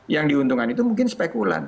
yang diuntungkan itu mungkin spekulan